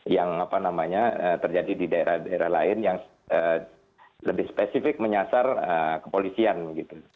yang apa namanya terjadi di daerah daerah lain yang lebih spesifik menyasar kepolisian gitu